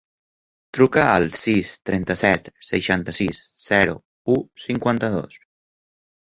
Truca al sis, trenta-set, seixanta-sis, zero, u, cinquanta-dos.